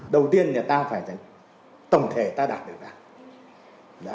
đầu tiên là ta phải tổng thể ta đạt được đạt